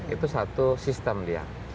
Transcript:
itu satu sistem dia